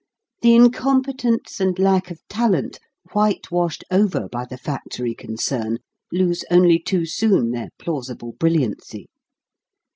The incompetence and lack of talent white washed over by the factory concern lose only too soon their plausible brilliancy.